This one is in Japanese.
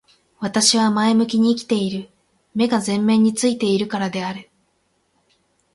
私は前向きに生きている。目が前面に付いているからである。